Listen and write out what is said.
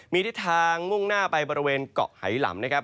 มีทิศทางมุ่งหน้าไปบริเวณเกาะไหล่หลำ